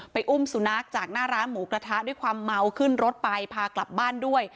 อุ้มสุนัขจากหน้าร้านหมูกระทะด้วยความเมาขึ้นรถไปพากลับบ้านด้วย